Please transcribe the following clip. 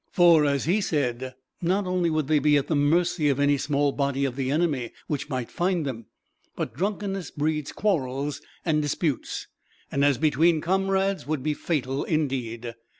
For, as he said, not only would they be at the mercy of any small body of the enemy which might find them, but drunkenness breeds quarrels and disputes, and as between comrades would be fatal, indeed.